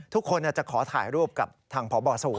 ทุกคนจะขอถ่ายรูปกับทางพบศูน